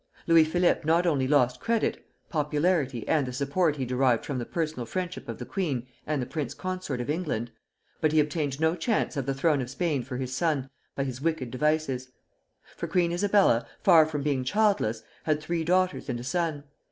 Louis Philippe not only lost credit, popularity, and the support he derived from the personal friendship of the Queen and the Prince Consort of England, but he obtained no chance of the throne of Spain for his son by his wicked devices; for Queen Isabella, far from being childless, had three daughters and a son.